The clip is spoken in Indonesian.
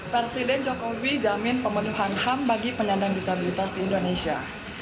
presiden jokowi jamin pemenuhan ham bagi penyandang disabilitas di indonesia